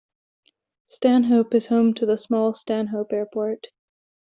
Stanhope is home to the small Stanhope Airport.